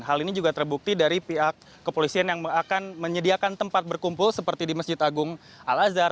hal ini juga terbukti dari pihak kepolisian yang akan menyediakan tempat berkumpul seperti di masjid agung al azhar